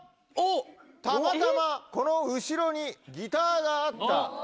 たまたまこの後ろにギターがあった。